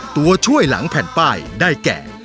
ตัวช่วยหลังแผ่นป้ายได้แก่